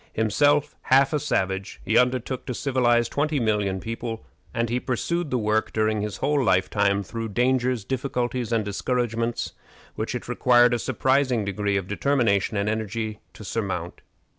Himself half a savage, he undertook to civilize twenty millions of people, and he pursued the work during his whole lifetime through dangers, difficulties, and discouragements which it required a surprising degree of determination and energy to surmount.